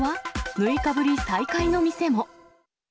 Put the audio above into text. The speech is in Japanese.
６日ぶり再開の店も。